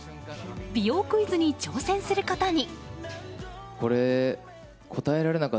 美容クイズに挑戦することに。